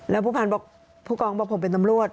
แล้วผู้พันธ์บอกผู้กองบอกผมเป็นตำรวจ